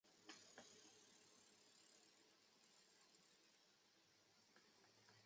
箭杆杨为杨柳科杨属下的一个变种。